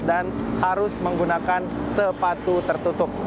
dan harus menggunakan sepatu tertutup